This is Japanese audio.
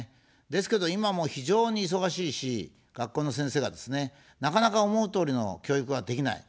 ですけど今、もう非常に忙しいし、学校の先生がですね、なかなか思うとおりの教育ができない。